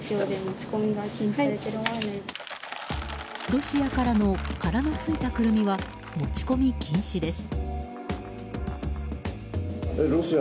ロシアからの殻のついたクルミは持ち込み禁止です。